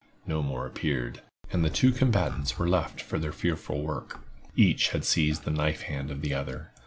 No more appeared, and the two combatants were left to their fearful work. Each had seized the knife hand of the other.